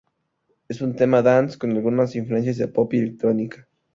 Es un tema "dance" con algunas influencias de pop y electrónica.